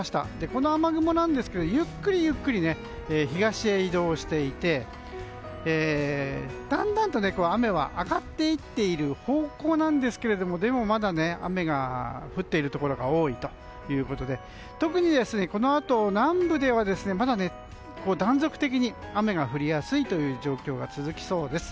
この雨雲なんですけどゆっくりゆっくり東へ移動していてだんだんと雨は上がっていっている方向なんですがでもまだ雨が降っているところが多いということで特に、このあと南部ではまだ断続的に雨が降りやすいという状況が続きそうです。